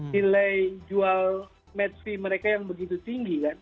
nilai jual metri mereka yang begitu tinggi kan